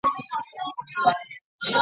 洛克威大道车站列车服务。